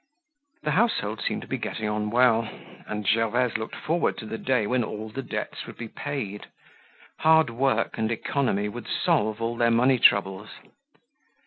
The household seemed to be getting on well and Gervaise looked forward to the day when all the debts would be paid. Hard work and economy would solve all their money troubles.